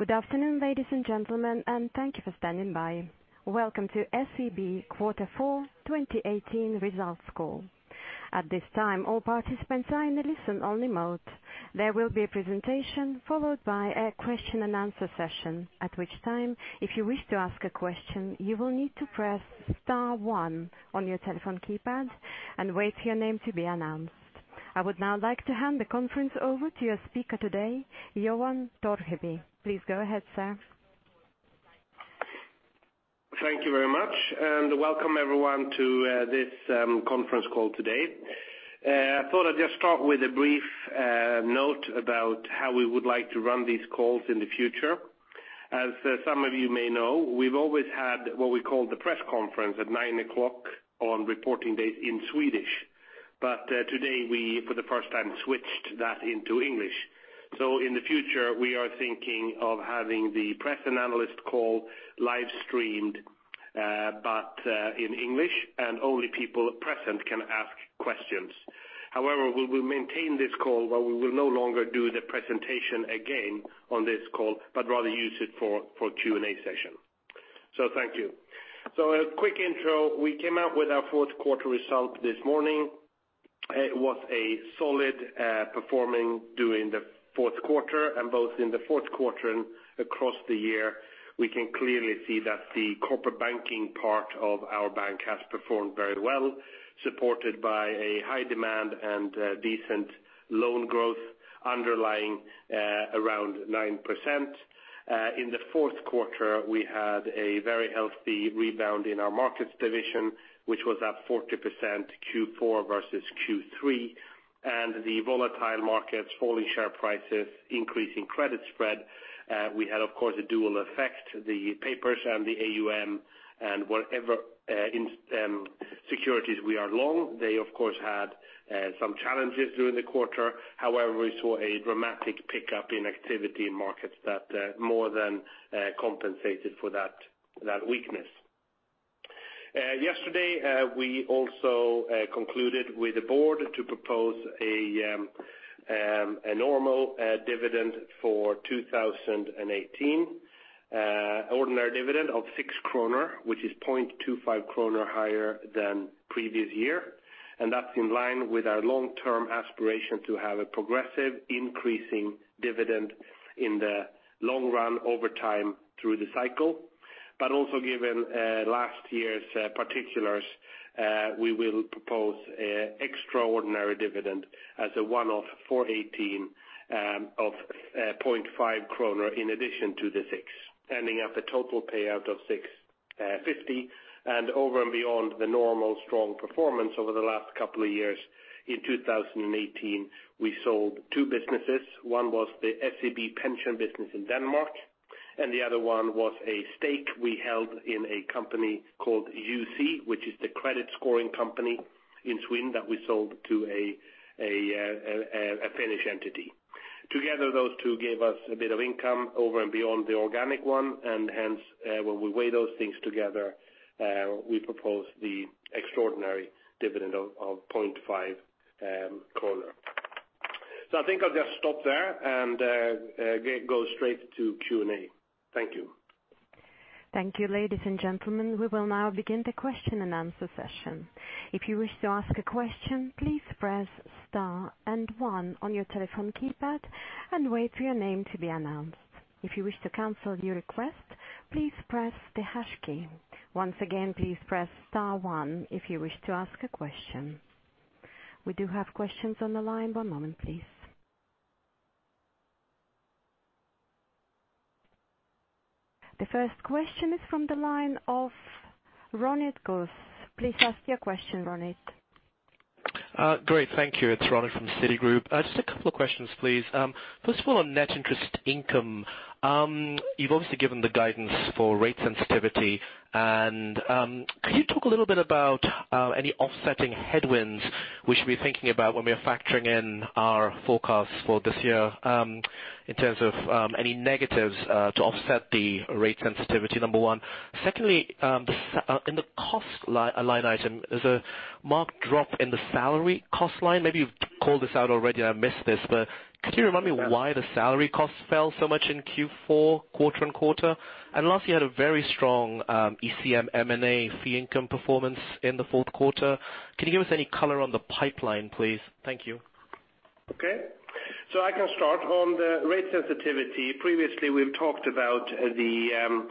Good afternoon, ladies and gentlemen, thank you for standing by. Welcome to SEB Quarter Four 2018 Results Call. At this time, all participants are in the listen-only mode. There will be a presentation followed by a question and answer session, at which time, if you wish to ask a question, you will need to press star one on your telephone keypad and wait for your name to be announced. I would now like to hand the conference over to your speaker today, Johan Torgeby. Please go ahead, sir. Thank you very much, welcome everyone to this conference call today. I thought I'd just start with a brief note about how we would like to run these calls in the future. As some of you may know, we've always had what we call the press conference at 9:00 A.M. on reporting dates in Swedish. Today we, for the first time, switched that into English. In the future, we are thinking of having the press and analyst call live-streamed, but in English, only people present can ask questions. We will maintain this call, but we will no longer do the presentation again on this call, rather use it for Q&A session. Thank you. A quick intro. We came out with our fourth quarter result this morning. It was a solid performing during the fourth quarter. Both in the fourth quarter and across the year, we can clearly see that the corporate banking part of our bank has performed very well, supported by a high demand and decent loan growth underlying around 9%. In the fourth quarter, we had a very healthy rebound in our markets division, which was up 40% Q4 versus Q3, the volatile markets, falling share prices, increasing credit spread. We had, of course, a dual effect, the papers and the AUM and whatever securities we are long, they of course had some challenges during the quarter. We saw a dramatic pickup in activity in markets that more than compensated for that weakness. Yesterday, we also concluded with the board to propose a normal dividend for 2018. Ordinary dividend of 6 kronor, which is 0.25 kronor higher than previous year, that's in line with our long-term aspiration to have a progressive increasing dividend in the long run over time through the cycle. Also given last year's particulars, we will propose extraordinary dividend as a one-off for 2018 of 0.5 kronor in addition to the 6, ending up a total payout of 650. Over and beyond the normal strong performance over the last couple of years, in 2018, we sold two businesses. One was the SEB pension business in Denmark, the other one was a stake we held in a company called UC, which is the credit scoring company in Sweden that we sold to a Finnish entity. Together, those two gave us a bit of income over and beyond the organic one, and hence, when we weigh those things together, we propose the extraordinary dividend of 0.5. I think I'll just stop there and go straight to Q&A. Thank you. Thank you. Ladies and gentlemen, we will now begin the question and answer session. If you wish to ask a question, please press star one on your telephone keypad and wait for your name to be announced. If you wish to cancel your request, please press the hash key. Once again, please press star one if you wish to ask a question. We do have questions on the line. One moment, please. The first question is from the line of Ronit Ghose. Please ask your question, Ronit. Great. Thank you. It's Ronit from Citigroup. Just a couple of questions, please. First of all, on net interest income, you've obviously given the guidance for rate sensitivity. Can you talk a little bit about any offsetting headwinds we should be thinking about when we are factoring in our forecasts for this year, in terms of any negatives to offset the rate sensitivity? Number one. Secondly, in the cost line item, there's a marked drop in the salary cost line. Maybe you've called this out already, and I missed this, but could you remind me why the salary cost fell so much in Q4 quarter and quarter? Lastly you had a very strong ECM M&A fee income performance in the fourth quarter. Can you give us any color on the pipeline, please? Thank you. Okay. I can start on the rate sensitivity. Previously, we've talked about the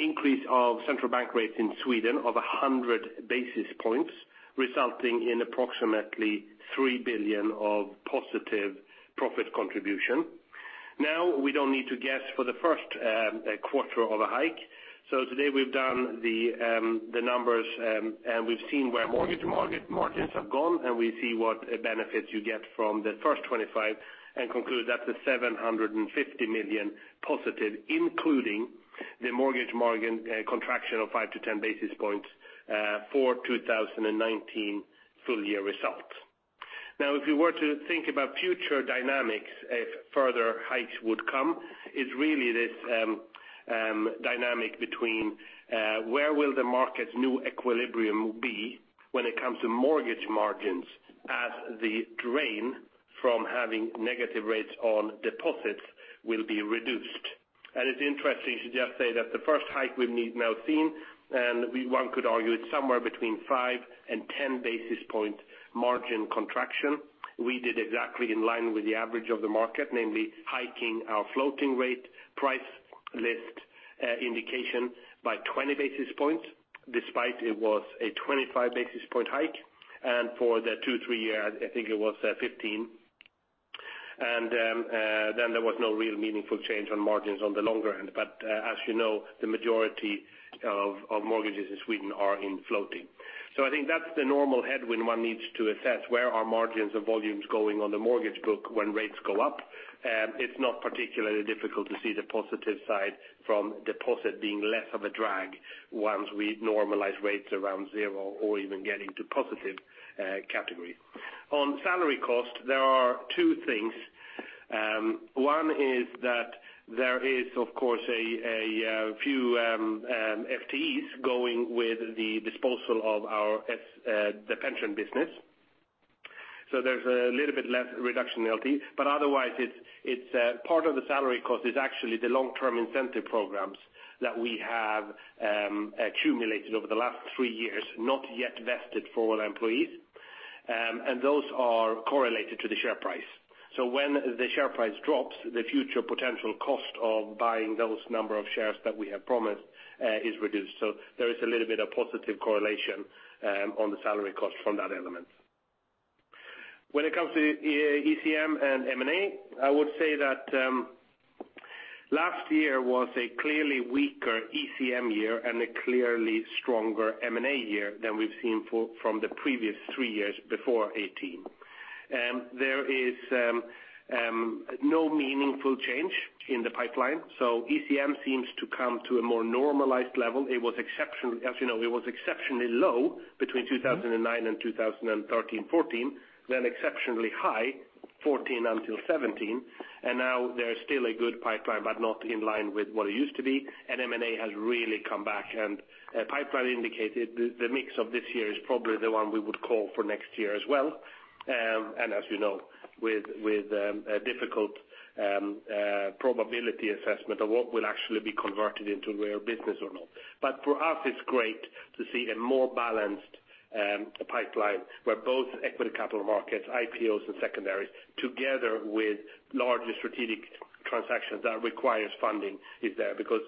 increase of central bank rates in Sweden of 100 basis points, resulting in approximately 3 billion of positive profit contribution. We don't need to guess for the first quarter of a hike. Today we've done the numbers, and we've seen where mortgage margins have gone, and we see what benefits you get from the first 25 and conclude that the 750 million positive, including the mortgage margin contraction of five to 10 basis points for 2019 full year results. If you were to think about future dynamics if further hikes would come. It's really this dynamic between where will the market's new equilibrium be when it comes to mortgage margins as the drain from having negative rates on deposits will be reduced. It's interesting to just say that the first hike we've now seen, and one could argue it's somewhere between five and 10 basis point margin contraction. We did exactly in line with the average of the market, namely hiking our floating rate price list indication by 20 basis points, despite it was a 25 basis point hike. For the two, three-year, I think it was 15. There was no real meaningful change on margins on the longer end. As you know, the majority of mortgages in Sweden are in floating. I think that's the normal headwind one needs to assess where are margins and volumes going on the mortgage book when rates go up. It's not particularly difficult to see the positive side from deposit being less of a drag once we normalize rates around zero or even get into positive categories. On salary cost, there are two things. One is that there is, of course, a few FTEs going with the disposal of the pension business. There's a little bit less reduction in FTE, but otherwise, part of the salary cost is actually the long-term incentive programs that we have accumulated over the last three years, not yet vested for all employees. Those are correlated to the share price. When the share price drops, the future potential cost of buying those number of shares that we have promised is reduced. There is a little bit of positive correlation on the salary cost from that element. When it comes to ECM and M&A, I would say that last year was a clearly weaker ECM year and a clearly stronger M&A year than we've seen from the previous three years before 2018. There is no meaningful change in the pipeline. ECM seems to come to a more normalized level. As you know, it was exceptionally low between 2009 and 2013, 2014, then exceptionally high 2014 until 2017. Now there's still a good pipeline, but not in line with what it used to be. M&A has really come back, and pipeline indicated the mix of this year is probably the one we would call for next year as well. As you know, with a difficult probability assessment of what will actually be converted into real business or not. For us, it's great to see a more balanced pipeline where both equity capital markets, IPOs and secondaries, together with largely strategic transactions that requires funding is there because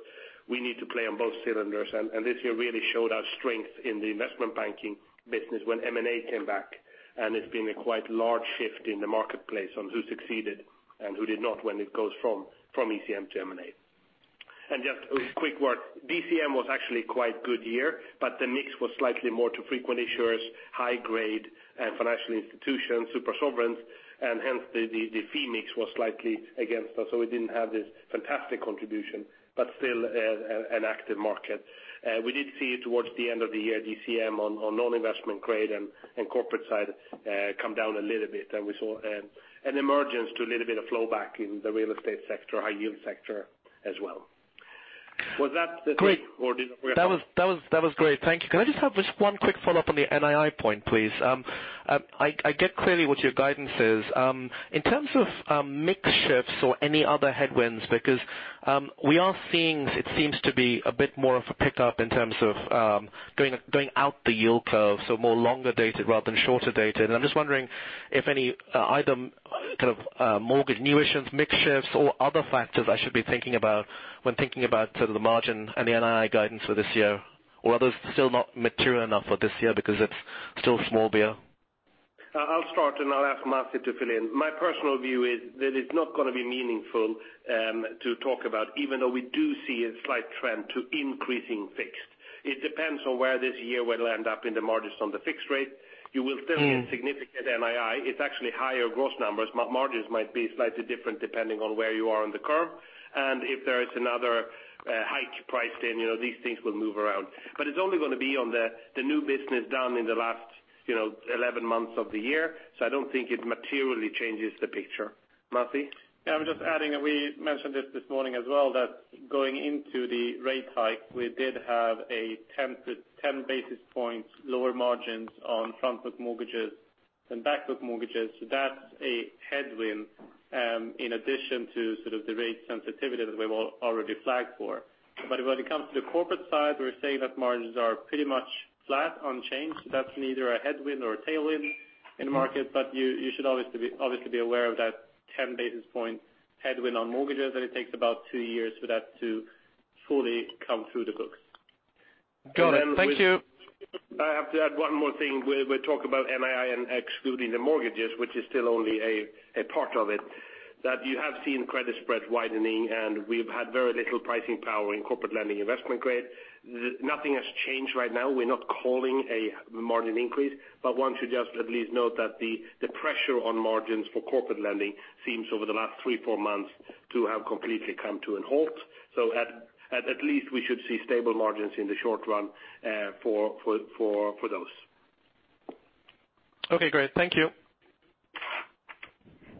we need to play on both cylinders. This year really showed our strength in the investment banking business when M&A came back. It's been a quite large shift in the marketplace on who succeeded and who did not when it goes from ECM to M&A. Just a quick word. DCM was actually quite good year, but the mix was slightly more to frequent issuers, high grade and financial institutions, super sovereigns, and hence the fee mix was slightly against us. We didn't have this fantastic contribution, but still an active market. We did see towards the end of the year, DCM on non-investment grade and corporate side come down a little bit. We saw an emergence to a little bit of flow back in the real estate sector, high yield sector as well. Was that the thing or did I forget? Great. That was great. Thank you. Can I just have one quick follow-up on the NII point, please? I get clearly what your guidance is. In terms of mix shifts or any other headwinds, because we are seeing it seems to be a bit more of a pickup in terms of going out the yield curve, so more longer dated rather than shorter dated. I'm just wondering if any item, mortgage new issuance, mix shifts, or other factors I should be thinking about when thinking about the margin and the NII guidance for this year. Are those still not material enough for this year because it's still small beer? I'll start, I'll ask Masih to fill in. My personal view is that it's not going to be meaningful to talk about, even though we do see a slight trend to increasing fixed. It depends on where this year will end up in the margins on the fixed rate. You will still see significant NII. It's actually higher gross numbers. Margins might be slightly different depending on where you are on the curve. If there is another hike priced in, these things will move around. It's only going to be on the new business done in the last 11 months of the year. I don't think it materially changes the picture. Masih? I'm just adding, we mentioned this this morning as well, that going into the rate hike, we did have a 10 basis points lower margins on front-book mortgages than back-book mortgages. That's a headwind in addition to the rate sensitivity that we've already flagged for. When it comes to the corporate side, we're saying that margins are pretty much flat on change. That's neither a headwind or a tailwind in the market, you should obviously be aware of that 10 basis point headwind on mortgages, and it takes about two years for that to fully come through the books. Got it. Thank you. I have to add one more thing. We talk about NII and excluding the mortgages, which is still only a part of it, that you have seen credit spread widening, and we've had very little pricing power in corporate lending investment grade. Nothing has changed right now. We're not calling a margin increase, but want to just at least note that the pressure on margins for corporate lending seems over the last three, four months to have completely come to a halt. At least we should see stable margins in the short run for those. Okay, great. Thank you.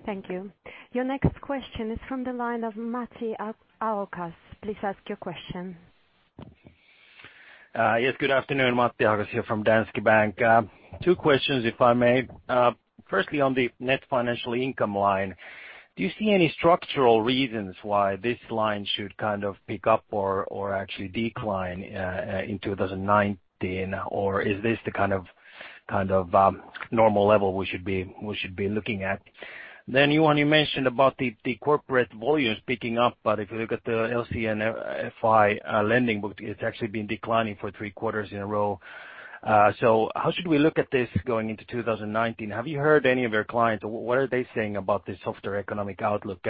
Thank you. Your next question is from the line of Matti Ahokas. Please ask your question. Yes, good afternoon. Matti Ahokas here from Danske Bank. Two questions, if I may. Firstly, on the net financial income line, do you see any structural reasons why this line should pick up or actually decline in 2019? Is this the kind of normal level we should be looking at? You mentioned about the corporate volumes picking up, but if you look at the LC&FI lending book, it's actually been declining for three quarters in a row. How should we look at this going into 2019? Have you heard any of your clients? What are they saying about the softer economic outlook?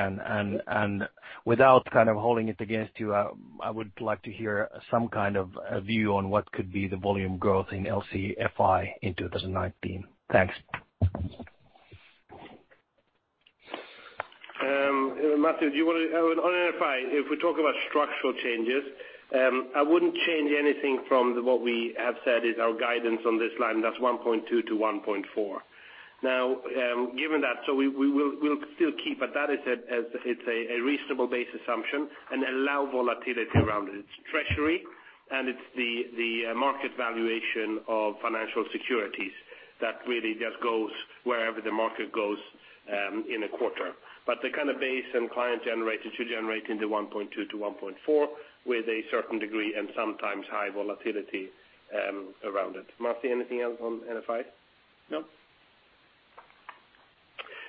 Without holding it against you, I would like to hear some kind of view on what could be the volume growth in LC&FI in 2019. Thanks. Matti, do you want to On NFI, if we talk about structural changes, I wouldn't change anything from what we have said is our guidance on this line. That's 1.2 to 1.4. Given that, we'll still keep at that as it's a reasonable base assumption and allow volatility around it. It's treasury and it's the market valuation of financial securities that really just goes wherever the market goes, in a quarter. But the base and client should generate into 1.2 to 1.4 with a certain degree and sometimes high volatility around it. Matti, anything else on NFI? No.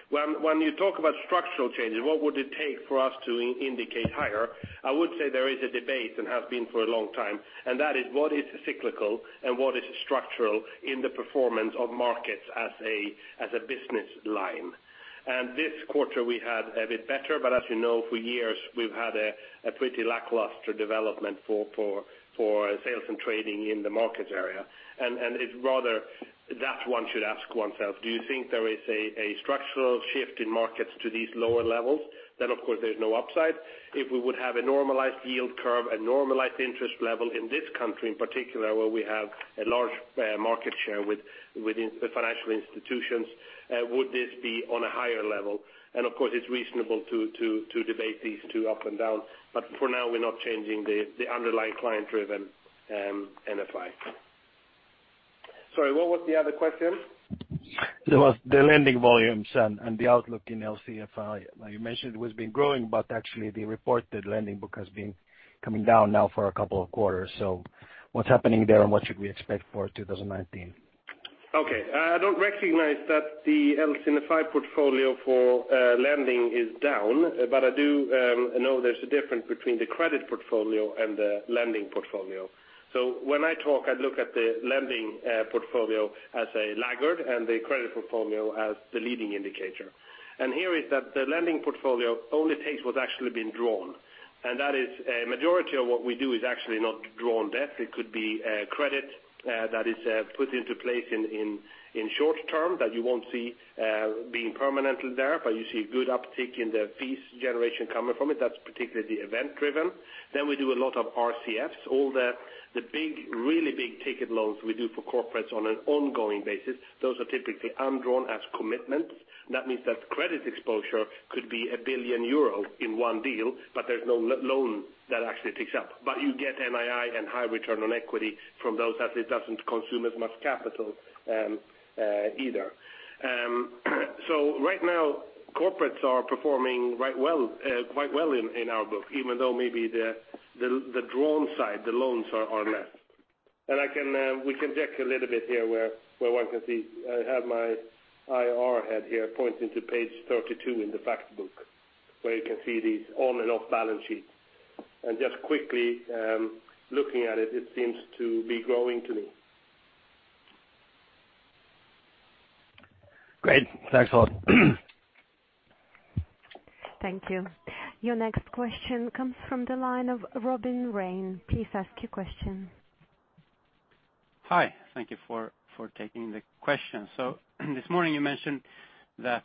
When you talk about structural changes, what would it take for us to indicate higher? I would say there is a debate and has been for a long time, and that is what is cyclical and what is structural in the performance of markets as a business line. This quarter, we had a bit better, but as you know, for years, we've had a pretty lackluster development for sales and trading in the market area. It's rather that one should ask oneself, do you think there is a structural shift in markets to these lower levels? Of course, there's no upside. If we would have a normalized yield curve and normalized interest level in this country in particular, where we have a large market share within the financial institutions, would this be on a higher level? Of course, it's reasonable to debate these two up and down. For now, we're not changing the underlying client-driven NFI. Sorry, what was the other question? It was the lending volumes and the outlook in LC&FI. You mentioned it has been growing, but actually the reported lending book has been coming down now for a couple of quarters. What's happening there and what should we expect for 2019? Okay. I don't recognize that the LC&FI portfolio for lending is down. I do know there's a difference between the credit portfolio and the lending portfolio. When I talk, I look at the lending portfolio as a laggard and the credit portfolio as the leading indicator. Here is that the lending portfolio only takes what's actually been drawn, and that is a majority of what we do is actually not drawn debt. It could be credit that is put into place in short term that you won't see being permanently there, but you see good uptick in the fees generation coming from it. That's particularly the event-driven. We do a lot of RCFs, all the really big-ticket loans we do for corporates on an ongoing basis. Those are typically undrawn as commitments. That means that credit exposure could be 1 billion in one deal, but there's no loan that actually takes up. You get NII and high return on equity from those as it doesn't consume as much capital either. Right now, corporates are performing quite well in our book, even though maybe the drawn side, the loans are less. We can check a little bit here where one can see I have my IR head here pointing to page 32 in the fact book where you can see these on and off balance sheets. Just quickly looking at it seems to be growing to me. Great. Thanks a lot. Thank you. Your next question comes from the line of Robin Raine. Please ask your question. Hi. Thank you for taking the question. This morning you mentioned that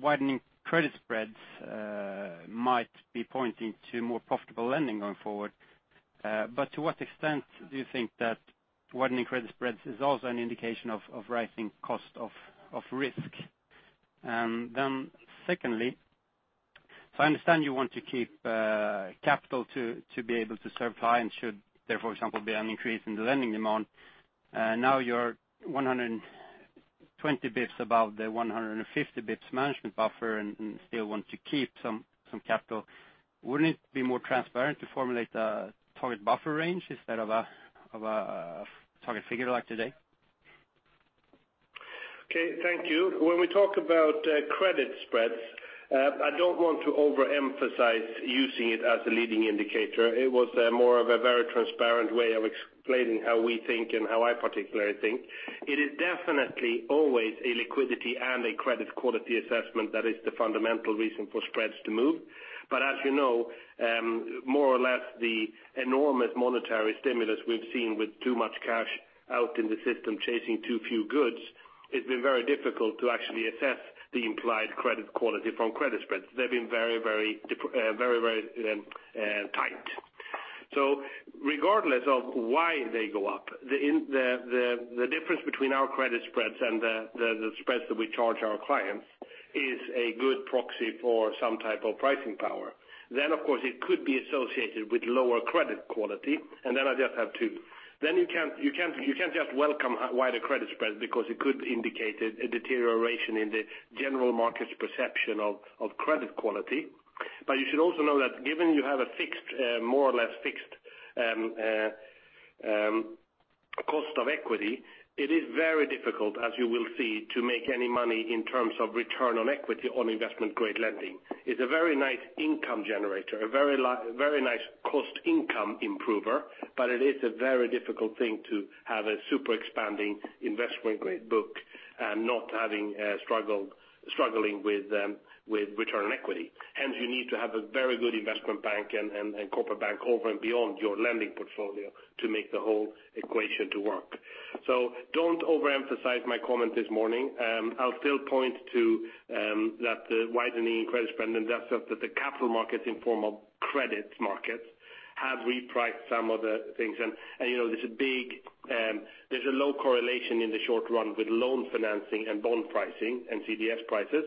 widening credit spreads might be pointing to more profitable lending going forward. To what extent do you think that widening credit spreads is also an indication of rising cost of risk? I understand you want to keep capital to be able to serve clients should there, for example, be an increase in the lending demand. You are 120 basis points above the 150 basis points management buffer and still want to keep some capital. Wouldn't it be more transparent to formulate a target buffer range instead of a target figure like today? Okay, thank you. When we talk about credit spreads, I don't want to overemphasize using it as a leading indicator. It was more of a very transparent way of explaining how we think and how I particularly think. It is definitely always a liquidity and a credit quality assessment that is the fundamental reason for spreads to move. As you know, more or less the enormous monetary stimulus we've seen with too much cash out in the system chasing too few goods, it's been very difficult to actually assess the implied credit quality from credit spreads. They've been very tight. Regardless of why they go up, the difference between our credit spreads and the spreads that we charge our clients is a good proxy for some type of pricing power. Of course, it could be associated with lower credit quality. You can't just welcome wider credit spreads because it could indicate a deterioration in the general market's perception of credit quality. You should also know that given you have a more or less fixed cost of equity, it is very difficult, as you will see, to make any money in terms of return on equity on investment-grade lending. It's a very nice income generator, a very nice cost-income improver, but it is a very difficult thing to have a super expanding investment-grade book and not struggling with return on equity. Hence, you need to have a very good investment bank and corporate bank over and beyond your lending portfolio to make the whole equation to work. Don't overemphasize my comment this morning. I'll still point to that widening credit spread, and that's just that the capital markets in form of credit markets have repriced some of the things. There's a low correlation in the short run with loan financing and bond pricing and CDS prices.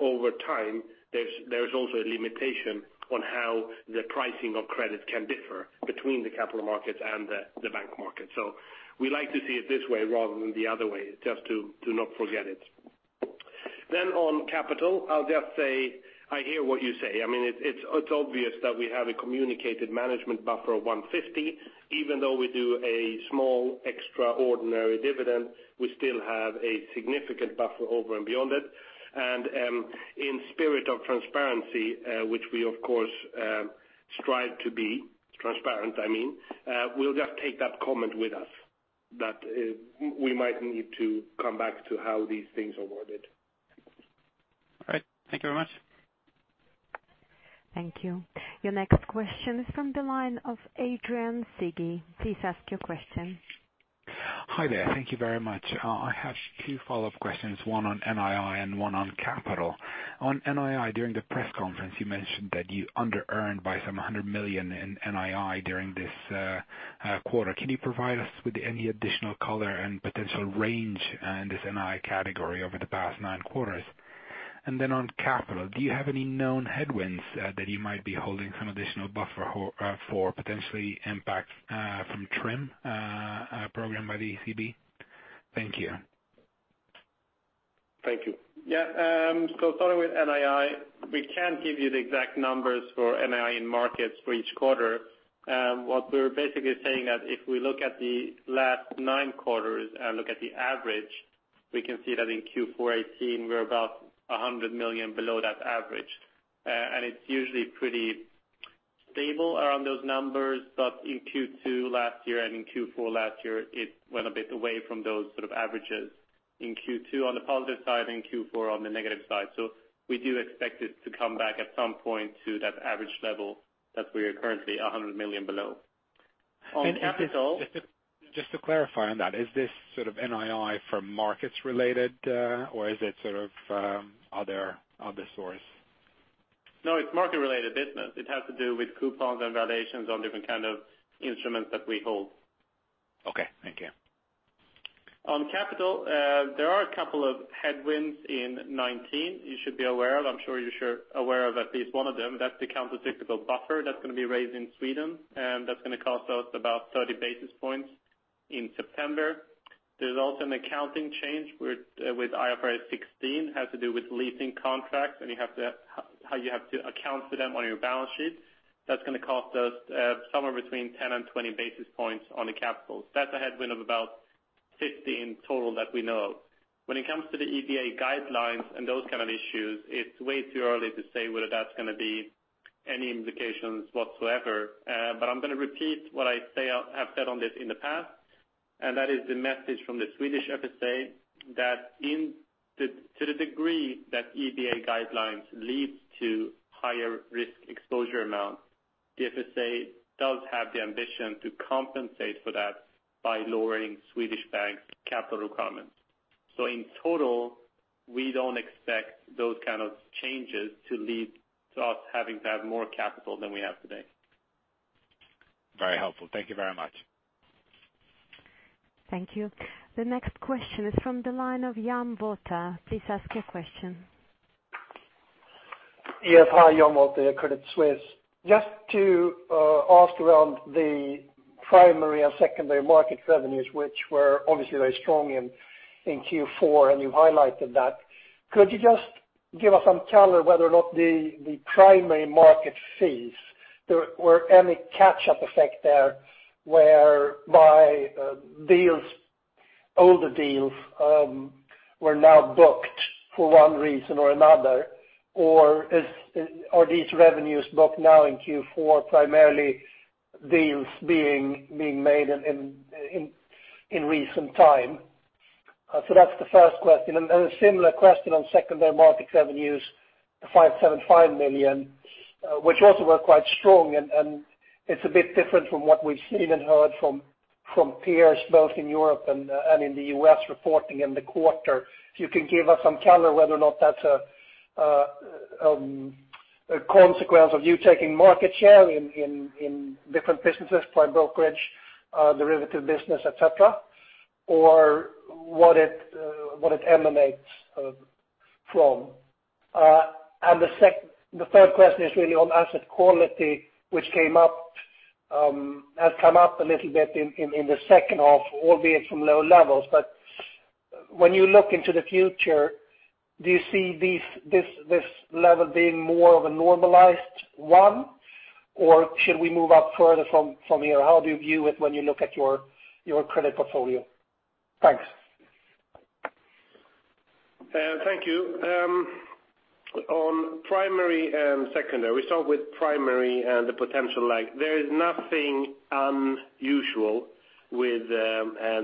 Over time, there's also a limitation on how the pricing of credit can differ between the capital markets and the bank market. We like to see it this way rather than the other way, just to not forget it. On capital, I'll just say, I hear what you say. It's obvious that we have a communicated management buffer of 150. Even though we do a small, extraordinary dividend, we still have a significant buffer over and beyond it. In spirit of transparency, which we, of course, strive to be transparent, I mean, we'll just take that comment with us that we might need to come back to how these things are worded. All right. Thank you very much. Thank you. Your next question is from the line of Adrian Cighi. Please ask your question. Hi there. Thank you very much. I have two follow-up questions, one on NII and one on capital. On NII, during the press conference, you mentioned that you under-earned by some 100 million in NII during this quarter. Can you provide us with any additional color and potential range in this NII category over the past nine quarters? Then on capital, do you have any known headwinds that you might be holding some additional buffer for potentially impact from TRIM Program by the ECB? Thank you. Thank you. Starting with NII, we can't give you the exact numbers for NII in markets for each quarter. What we're basically saying that if we look at the last nine quarters and look at the average, we can see that in Q4 2018, we're about 100 million below that average. It's usually pretty stable around those numbers. In Q2 last year and in Q4 last year, it went a bit away from those sort of averages, in Q2 on the positive side and Q4 on the negative side. We do expect it to come back at some point to that average level that we are currently 100 million below. On capital- Just to clarify on that, is this sort of NII for markets related or is it sort of other source? It's market-related business. It has to do with coupons and valuations on different kind of instruments that we hold. Thank you. On capital, there are a couple of headwinds in 2019 you should be aware of. I'm sure you're aware of at least one of them. That's the countercyclical buffer that's going to be raised in Sweden, and that's going to cost us about 30 basis points in September. There's also an accounting change with IFRS 16. It has to do with leasing contracts and how you have to account for them on your balance sheet. That's going to cost us somewhere between 10 and 20 basis points on the capital. That's a headwind of about 15 total that we know of. When it comes to the EBA guidelines and those kind of issues, it's way too early to say whether that's going to be any implications whatsoever. I'm going to repeat what I have said on this in the past, and that is the message from the Swedish FSA that to the degree that EBA guidelines leads to higher risk exposure amounts, the FSA does have the ambition to compensate for that by lowering Swedish banks' capital requirements. In total, we don't expect those kind of changes to lead to us having to have more capital than we have today. Very helpful. Thank you very much. Thank you. The next question is from the line of Jan Wolter. Please ask your question. Yes. Hi, Jan Wolter, Credit Suisse. Just to ask around the primary and secondary market revenues, which were obviously very strong in Q4, and you highlighted that. Could you just give us some color whether or not the primary market fees, there were any catch-up effect there whereby older deals were now booked for one reason or another? Or are these revenues booked now in Q4 primarily deals being made in recent time? That's the first question. A similar question on secondary market revenues, the 575 million, which also were quite strong, and it's a bit different from what we've seen and heard from peers both in Europe and in the U.S. reporting in the quarter. If you can give us some color whether or not that's a consequence of you taking market share in different businesses, private brokerage, derivative business, et cetera, or what it emanates from. The third question is really on asset quality, which has come up a little bit in the second half, albeit from low levels. When you look into the future, do you see this level being more of a normalized one, or should we move up further from here? How do you view it when you look at your credit portfolio? Thanks. Thank you. On primary and secondary, we start with primary and the potential lag. There is nothing unusual with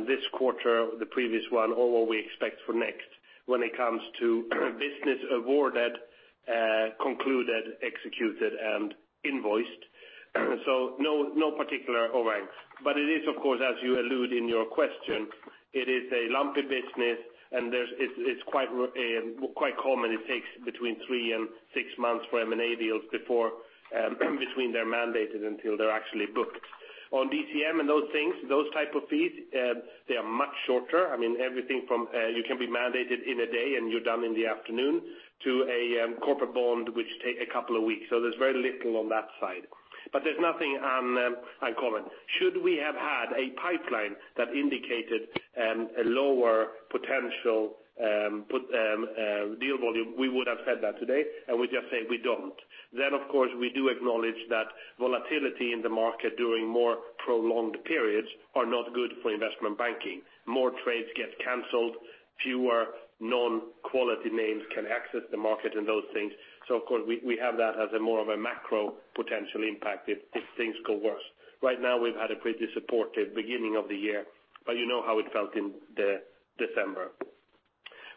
this quarter, the previous one, or what we expect for next when it comes to business awarded, concluded, executed and invoiced. No particular overhang. It is, of course, as you allude in your question, it is a lumpy business, and it's quite common it takes between three and six months for M&A deals between they're mandated until they're actually booked. On DCM and those things, those type of fees they are much shorter. You can be mandated in a day, and you're done in the afternoon to a corporate bond, which take a couple of weeks. There's very little on that side. There's nothing uncommon. Should we have had a pipeline that indicated a lower potential deal volume, we would have said that today, and we just say we don't. Of course, we do acknowledge that volatility in the market during more prolonged periods are not good for investment banking. More trades get canceled, fewer non-quality names can access the market and those things. Of course, we have that as a more of a macro potential impact if things go worse. Right now, we've had a pretty supportive beginning of the year, but you know how it felt in December.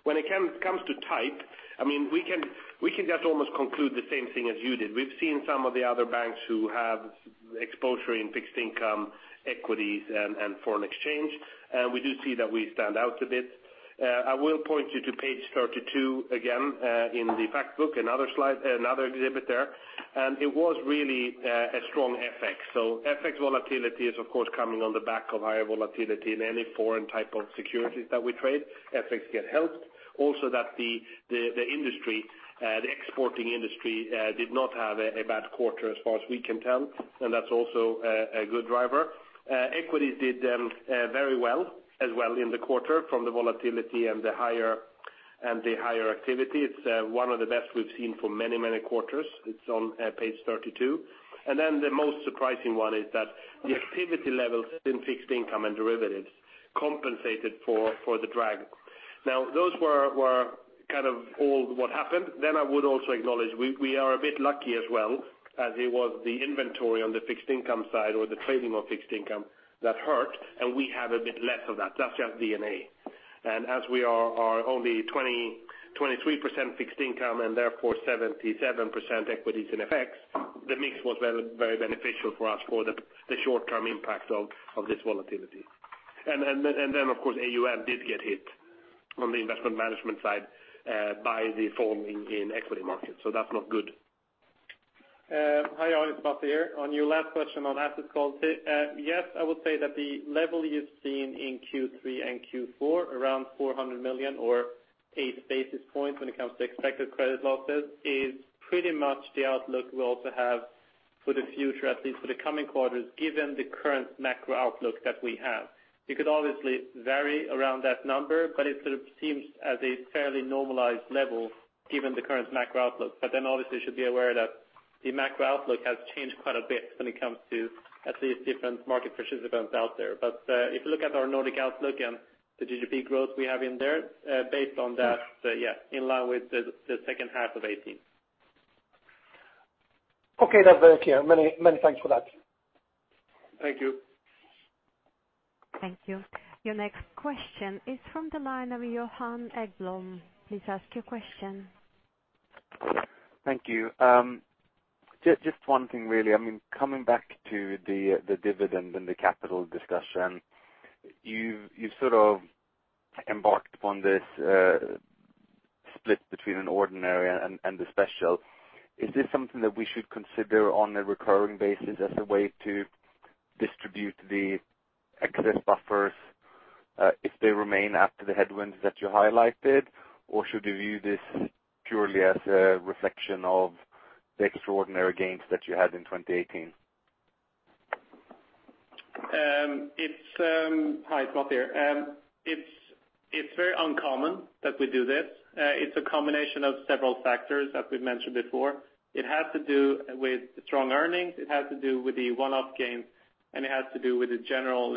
When it comes to type, we can just almost conclude the same thing as you did. We've seen some of the other banks who have exposure in fixed income equities and foreign exchange. We do see that we stand out a bit. I will point you to page 32 again, in the fact book, another exhibit there. It was really a strong FX. FX volatility is of course, coming on the back of higher volatility in any foreign type of securities that we trade. FX get helped. Also that the exporting industry did not have a bad quarter as far as we can tell, and that's also a good driver. Equities did very well as well in the quarter from the volatility and the higher activity. It's one of the best we've seen for many, many quarters. It's on page 32. The most surprising one is that the activity levels in fixed income and derivatives compensated for the drag. Those were all what happened. I would also acknowledge we are a bit lucky as well, as it was the inventory on the fixed income side or the trading on fixed income that hurt, and we have a bit less of that. That's just DNA. As we are only 23% fixed income and therefore 77% equities in FX, the mix was very beneficial for us for the short-term impact of this volatility. Of course, AUM did get hit on the investment management side by the fall in equity markets. That's not good. Hi, it's Masih here. On your last question on asset quality. Yes, I would say that the level you've seen in Q3 and Q4, around 400 million or eight basis points when it comes to expected credit losses is pretty much the outlook we also have for the future, at least for the coming quarters, given the current macro outlook that we have. It could obviously vary around that number, but it seems as a fairly normalized level given the current macro outlook. Obviously you should be aware that the macro outlook has changed quite a bit when it comes to at least different market participants out there. If you look at our Nordic Outlook and the GDP growth we have in there, based on that, in line with the second half of 2018. That's very clear. Many thanks for that. Thank you. Thank you. Your next question is from the line of Johan Ekblom. Please ask your question. Thank you. Just one thing really. Coming back to the dividend and the capital discussion. You've sort of embarked on this split between an ordinary and a special. Is this something that we should consider on a recurring basis as a way to distribute the excess buffers if they remain after the headwinds that you highlighted? Or should you view this purely as a reflection of the extraordinary gains that you had in 2018? Hi, it's Masih here. It's very uncommon that we do this. It's a combination of several factors that we've mentioned before. It has to do with strong earnings. It has to do with the one-off gains, and it has to do with the general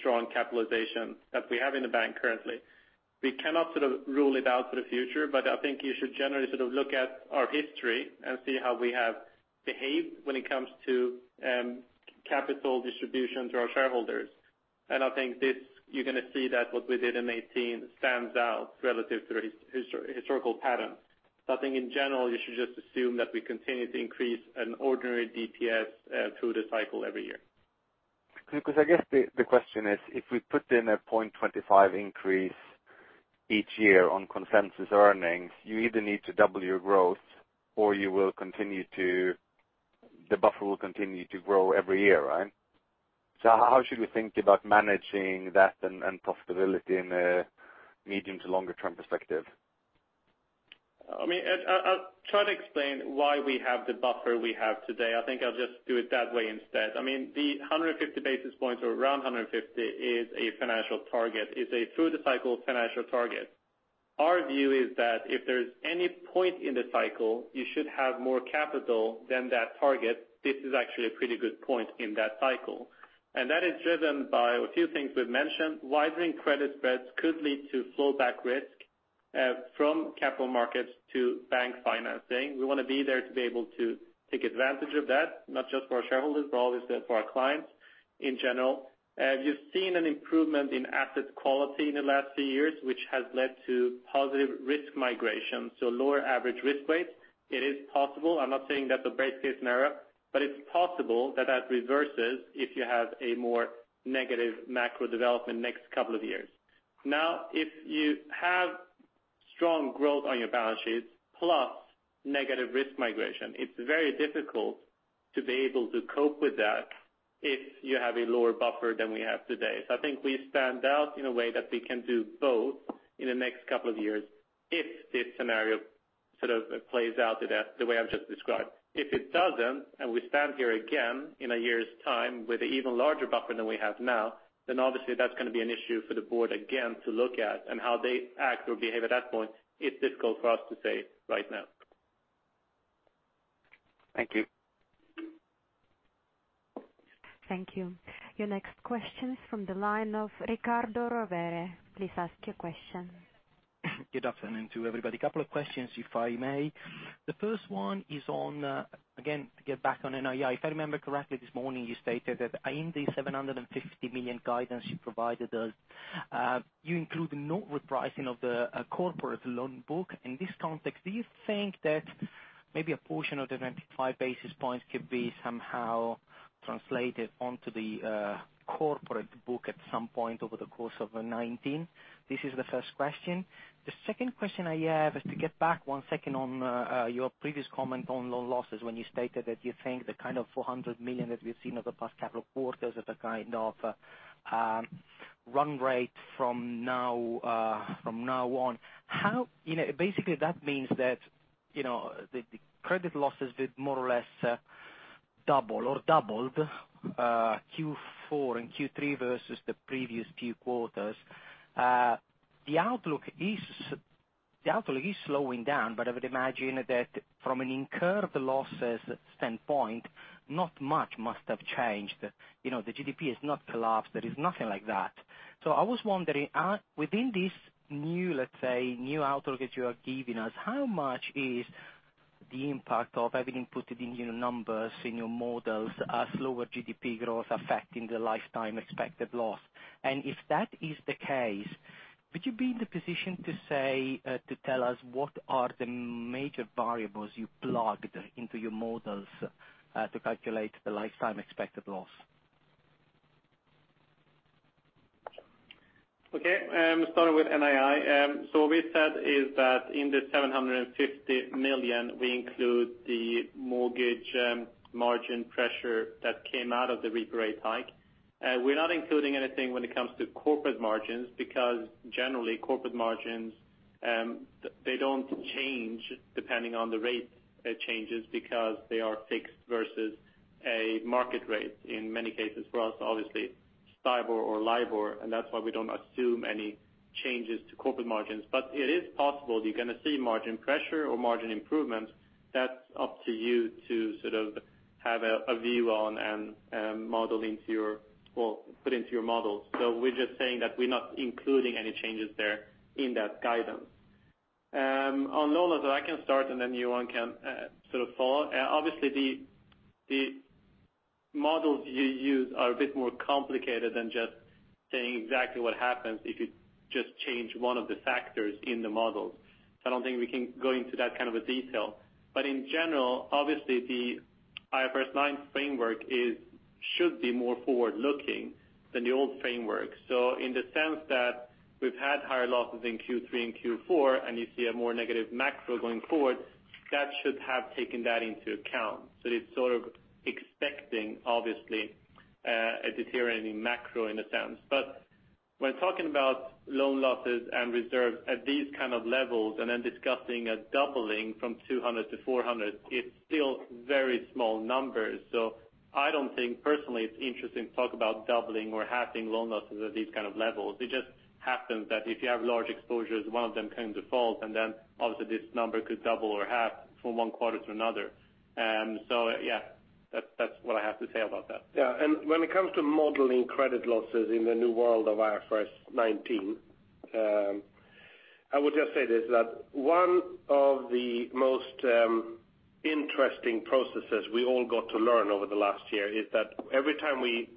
strong capitalization that we have in the bank currently. We cannot rule it out for the future, but I think you should generally look at our history and see how we have behaved when it comes to capital distribution to our shareholders. I think you're going to see that what we did in 2018 stands out relative to the historical pattern. I think in general, you should just assume that we continue to increase an ordinary DPS through the cycle every year. I guess the question is, if we put in a 0.25 increase each year on consensus earnings, you either need to double your growth or the buffer will continue to grow every year, right? How should we think about managing that and profitability in a medium to longer term perspective? I'll try to explain why we have the buffer we have today. I think I'll just do it that way instead. The 150 basis points or around 150 is a financial target, is a through the cycle financial target. Our view is that if there's any point in the cycle, you should have more capital than that target. This is actually a pretty good point in that cycle. That is driven by a few things we've mentioned. Widening credit spreads could lead to flow back risk from capital markets to bank financing. We want to be there to be able to take advantage of that, not just for our shareholders, but obviously for our clients in general. You've seen an improvement in asset quality in the last few years, which has led to positive risk migration, so lower average risk weights. It is possible, I'm not saying that's a base case scenario, but it's possible that that reverses if you have a more negative macro development next couple of years. Now, if you have strong growth on your balance sheets plus negative risk migration, it's very difficult to be able to cope with that if you have a lower buffer than we have today. I think we stand out in a way that we can do both in the next couple of years if this scenario sort of plays out the way I've just described. If it doesn't, and we stand here again in a year's time with an even larger buffer than we have now, then obviously that's going to be an issue for the board again to look at. How they act or behave at that point, it's difficult for us to say right now. Thank you. Thank you. Your next question is from the line of Riccardo Rovere. Please ask your question. Good afternoon to everybody. A couple of questions, if I may. The first one is on, again, to get back on NII. If I remember correctly, this morning you stated that in the 750 million guidance you provided us, you include no repricing of the corporate loan book. In this context, do you think that maybe a portion of the 95 basis points could be somehow translated onto the corporate book at some point over the course of 2019? This is the first question. The second question I have is to get back one second on your previous comment on loan losses when you stated that you think the kind of 400 million that we've seen over the past couple of quarters is the kind of run rate from now on. Basically that means that the credit losses did more or less double or doubled Q4 and Q3 versus the previous two quarters. The outlook is slowing down, but I would imagine that from an incurred losses standpoint, not much must have changed. The GDP has not collapsed. There is nothing like that. I was wondering, within this new outlook that you are giving us, how much is the impact of having inputted in your numbers, in your models, a slower GDP growth affecting the lifetime expected loss? If that is the case, would you be in the position to tell us what are the major variables you plugged into your models to calculate the lifetime expected loss? Okay. Starting with NII. What we said is that in the 750 million, we include the mortgage margin pressure that came out of the repo rate hike. We're not including anything when it comes to corporate margins because generally corporate margins they don't change depending on the rate changes because they are fixed versus a market rate in many cases for us, obviously STIBOR or LIBOR, that's why we don't assume any changes to corporate margins. It is possible you're going to see margin pressure or margin improvements. That's up to you to sort of have a view on and model into your put into your models. We're just saying that we're not including any changes there in that guidance. On loan loss, I can start then Johan can sort of follow. Obviously the models you use are a bit more complicated than just saying exactly what happens if you just change one of the factors in the models. I don't think we can go into that kind of a detail. In general, obviously the IFRS 9 framework should be more forward-looking than the old framework. In the sense that we've had higher losses in Q3 and Q4, and you see a more negative macro going forward, that should have taken that into account. It's sort of expecting, obviously, a deteriorating macro in a sense. When talking about loan losses and reserves at these kind of levels and then discussing a doubling from 200 to 400, it's still very small numbers. I don't think personally it's interesting to talk about doubling or halving loan losses at these kind of levels. It just happens that if you have large exposures, one of them can default, and then obviously this number could double or halve from one quarter to another. That's what I have to say about that. When it comes to modeling credit losses in the new world of IFRS 9, I would just say this, that one of the most Interesting processes we all got to learn over the last year is that every time we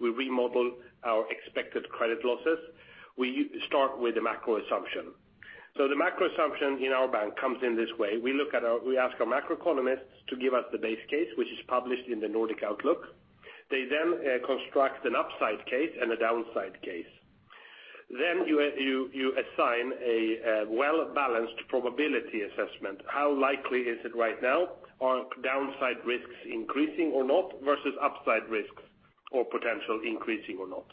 remodel our expected credit losses, we start with the macro assumption. The macro assumption in our bank comes in this way. We ask our macroeconomists to give us the base case, which is published in the Nordic Outlook. They construct an upside case and a downside case. You assign a well-balanced probability assessment. How likely is it right now? Are downside risks increasing or not versus upside risks or potential increasing or not?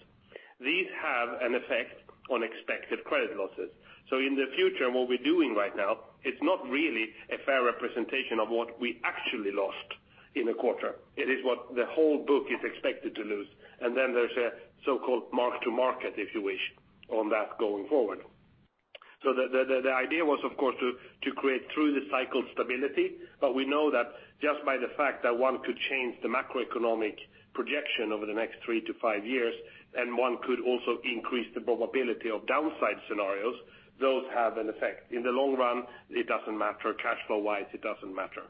These have an effect on expected credit losses. In the future, what we're doing right now is not really a fair representation of what we actually lost in a quarter. It is what the whole book is expected to lose. There's a so-called mark to market, if you wish, on that going forward. The idea was, of course, to create through the cycle stability. We know that just by the fact that one could change the macroeconomic projection over the next three to five years, one could also increase the probability of downside scenarios, those have an effect. In the long run, it doesn't matter. Cash flow-wise, it doesn't matter.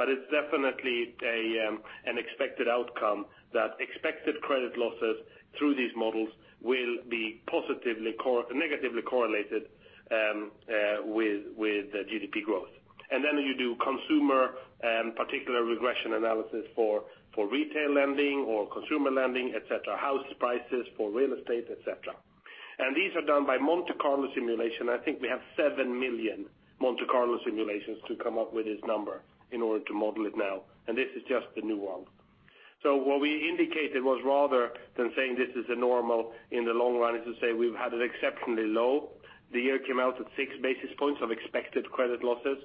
It's definitely an expected outcome that expected credit losses through these models will be negatively correlated with GDP growth. Then you do consumer and particular regression analysis for retail lending or consumer lending, et cetera, house prices for real estate, et cetera. These are done by Monte Carlo simulation. I think we have seven million Monte Carlo simulations to come up with this number in order to model it now, and this is just the new one. What we indicated was rather than saying this is normal in the long run, is to say we've had it exceptionally low. The year came out at six basis points of expected credit losses,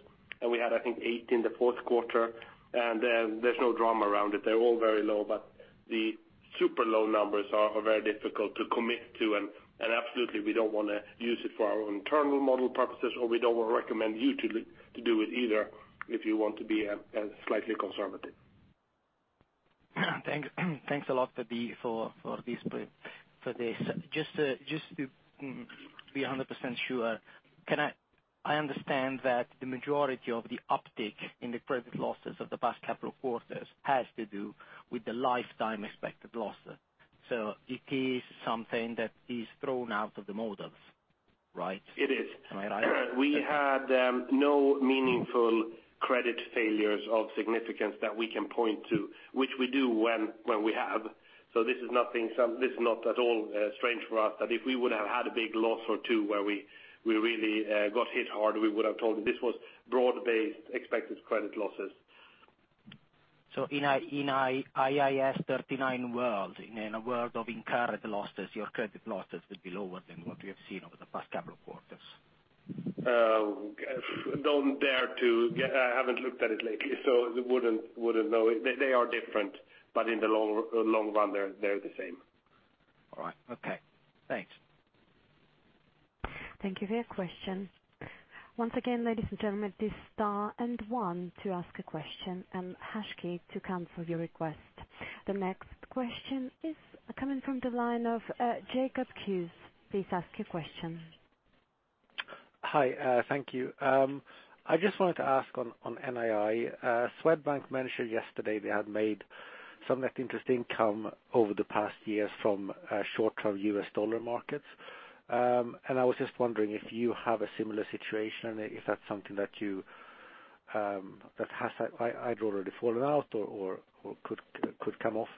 and we had, I think, eight in the fourth quarter, and there's no drama around it. They're all very low, but the super low numbers are very difficult to commit to. Absolutely, we don't want to use it for our own internal model purposes, or we don't recommend you to do it either, if you want to be slightly conservative. Thanks a lot for this. Just to be 100% sure, I understand that the majority of the uptick in the credit losses of the past couple of quarters has to do with the lifetime expected losses. It is something that is thrown out of the models, right? It is. Am I right? We had no meaningful credit failures of significance that we can point to, which we do when we have. This is not at all strange for us. If we would have had a big loss or two where we really got hit hard, we would have told you this was broad-based expected credit losses. In IAS 39 world, in a world of incurred losses, your credit losses would be lower than what we have seen over the past couple of quarters. I haven't looked at it lately, so wouldn't know. They are different, but in the long run, they're the same. All right. Okay. Thanks. Thank you for your question. Once again, ladies and gentlemen, dial star and one to ask a question and hash key to cancel your request. The next question is coming from the line of Jacob Kruse. Please ask your question. Hi. Thank you. I just wanted to ask on NII. Swedbank mentioned yesterday they had made some net interest income over the past years from short-term U.S. dollar markets. I was just wondering if you have a similar situation, if that's something that has either already fallen out or could come off.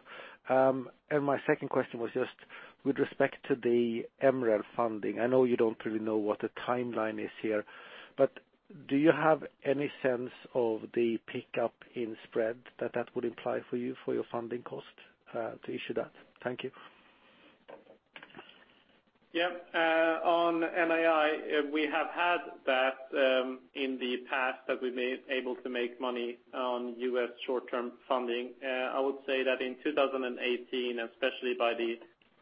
My second question was just with respect to the MREL funding. I know you don't really know what the timeline is here, but do you have any sense of the pickup in spread that that would imply for you for your funding cost to issue that? Thank you. On NII, we have had that in the past that we've been able to make money on U.S. short-term funding. I would say that in 2018, especially by the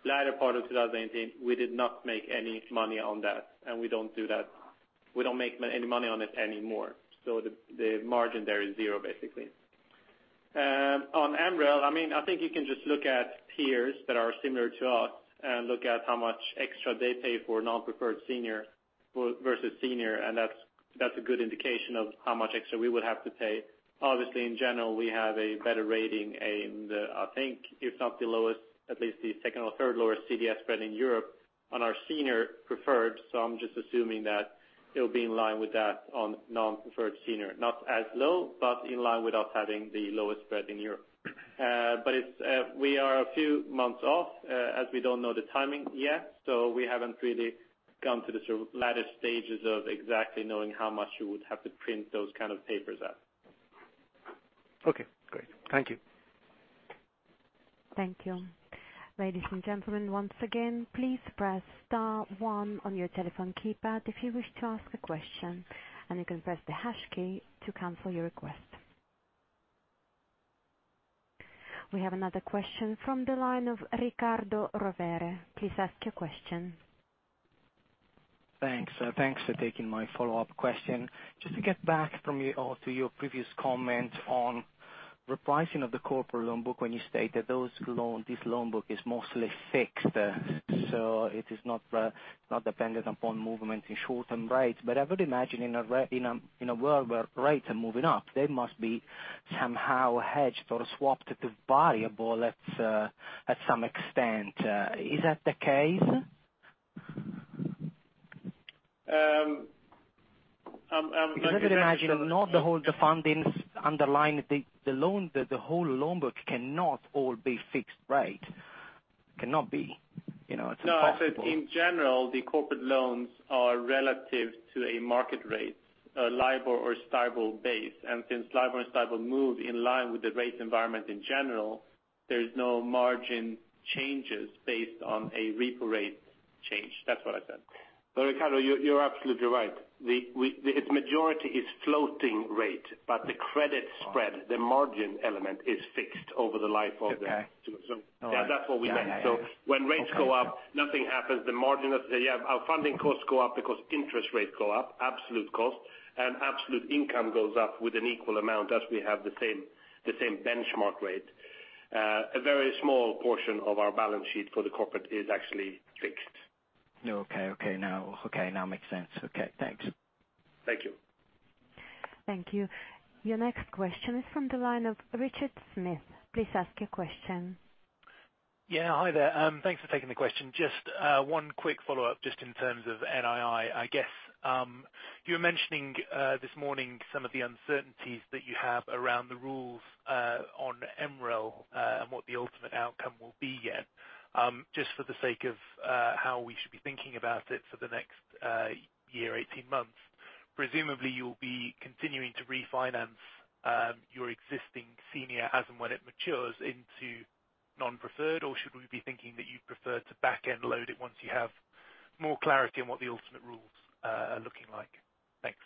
latter part of 2018, we did not make any money on that. We don't make any money on it anymore. The margin there is zero, basically. On MREL, I think you can just look at peers that are similar to us and look at how much extra they pay for non-preferred senior versus senior, and that's a good indication of how much extra we would have to pay. Obviously, in general, we have a better rating, I think if not the lowest, at least the second or third lowest CDS spread in Europe on our senior preferred. I'm just assuming that it'll be in line with that on non-preferred senior. Not as low, in line with us having the lowest spread in Europe. We are a few months off, as we don't know the timing yet. We haven't really come to the latter stages of exactly knowing how much you would have to print those kind of papers at. Okay, great. Thank you. Thank you. Ladies and gentlemen, once again, please press star one on your telephone keypad if you wish to ask a question, and you can press the hash key to cancel your request. We have another question from the line of Riccardo Rovere. Please ask your question. Thanks. Thanks for taking my follow-up question. Just to get back to your previous comment on-The pricing of the corporate loan book when you state that this loan book is mostly fixed, so it is not dependent upon movement in short-term rates. I would imagine in a world where rates are moving up, they must be somehow hedged or swapped to variable at some extent. Is that the case? I'm- I'd imagine not the whole fundings underlying the loan, but the whole loan book cannot all be fixed rate. Cannot be. It's impossible. No. I said, in general, the corporate loans are relative to a market rate, a LIBOR or STIBOR base. Since LIBOR and STIBOR move in line with the rate environment in general, there's no margin changes based on a repo rate change. That's what I said. Riccardo, you're absolutely right. Its majority is floating rate, the credit spread, the margin element is fixed over the life of. Okay. All right. Yeah, that's what we meant. Yeah. When rates go up, nothing happens. Our funding costs go up because interest rates go up, absolute cost, and absolute income goes up with an equal amount as we have the same benchmark rate. A very small portion of our balance sheet for the corporate is actually fixed. Okay. Now it makes sense. Okay, thanks. Thank you. Thank you. Your next question is from the line of Richard Smith. Please ask your question. Yeah, hi there. Thanks for taking the question. Just one quick follow-up just in terms of NII. I guess, you were mentioning this morning some of the uncertainties that you have around the rules on MREL and what the ultimate outcome will be yet. Just for the sake of how we should be thinking about it for the next year, 18 months, presumably you'll be continuing to refinance your existing senior as and when it matures into non-preferred, or should we be thinking that you'd prefer to back-end load it once you have more clarity on what the ultimate rules are looking like? Thanks.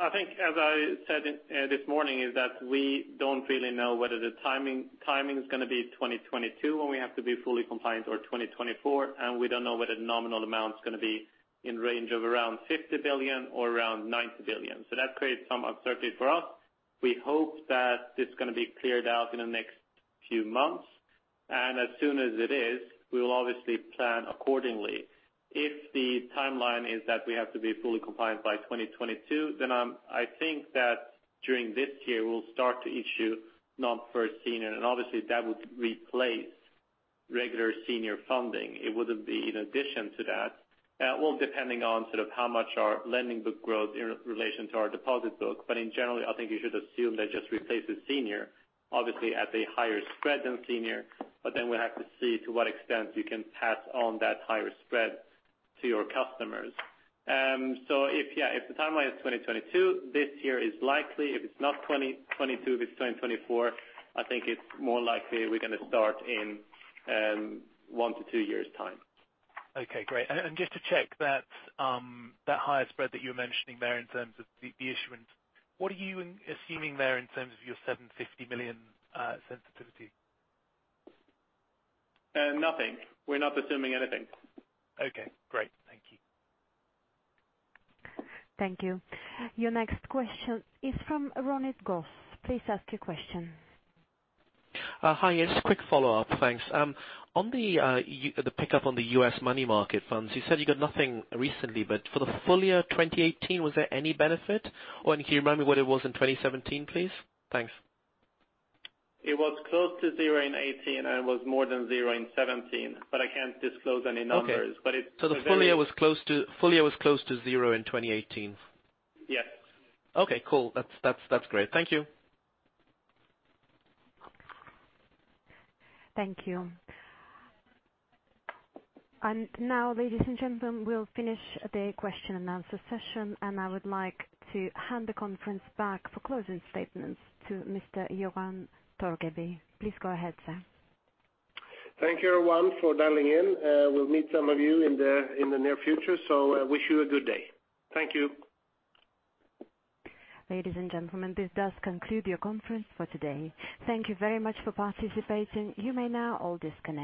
I think as I said this morning is that we don't really know whether the timing is going to be 2022 when we have to be fully compliant or 2024, we don't know whether the nominal amount is going to be in range of around 50 billion or around 90 billion. That creates some uncertainty for us. We hope that it's going to be cleared out in the next few months, as soon as it is, we will obviously plan accordingly. If the timeline is that we have to be fully compliant by 2022, I think that during this year we'll start to issue non-preferred senior and obviously that would replace regular senior funding. It wouldn't be in addition to that. Depending on how much our lending book growth in relation to our deposit book, in general, I think you should assume that just replaces senior, obviously at a higher spread than senior, we'll have to see to what extent you can pass on that higher spread to your customers. If the timeline is 2022, this year is likely. If it's not 2022, if it's 2024, I think it's more likely we're going to start in one to two years' time. Okay, great. Just to check that higher spread that you were mentioning there in terms of the issuance, what are you assuming there in terms of your 750 million sensitivity? Nothing. We're not assuming anything. Okay, great. Thank you. Thank you. Your next question is from Ronit Ghose. Please ask your question. Hi. Just a quick follow-up, thanks. On the pickup on the U.S. money market funds, you said you got nothing recently, but for the full year 2018, was there any benefit? Can you remind me what it was in 2017, please? Thanks. It was close to zero in 2018 and was more than zero in 2017, I can't disclose any numbers. Okay. The full year was close to zero in 2018. Yes. Okay, cool. That's great. Thank you. Thank you. Now, ladies and gentlemen, we'll finish the question and answer session, and I would like to hand the conference back for closing statements to Mr. Johan Torgeby. Please go ahead, sir. Thank you, everyone, for dialing in. We'll meet some of you in the near future. I wish you a good day. Thank you. Ladies and gentlemen, this does conclude your conference for today. Thank you very much for participating. You may now all disconnect.